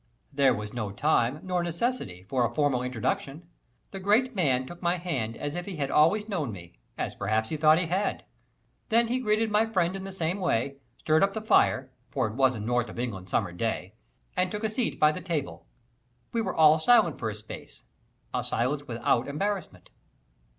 There was no time nor necessity for a formal introduction. The great man took my hand as if he had always known me, as perhaps he thought he had. Then he greeted my friend in the same way, stirred up the fire, for it was a North of England summer day, and took a seat by the table. We were all silent for a space a silence without embarrassment.